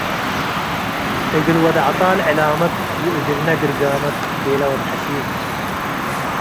“እግል ወድ-ዐጣል ዕላመት ወእግልነ ግርጋመት” ቤለ ወድ ሐሺል።